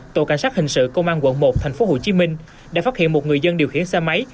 tổ cảnh sát hình sự công an quận một tp hcm đã phát hiện một người dân điều khiển xe máy